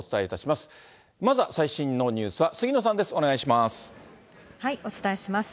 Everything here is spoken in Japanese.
まずは最新のニュースは杉野さんです、お願いします。